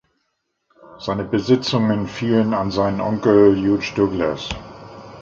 Seine Besitzungen fielen an seinen Onkel Hugh Douglas.